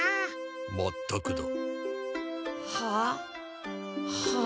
まったくだ。はあ？はあ。